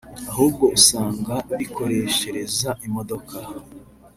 ahubwo usanga bikoreshereza imodoka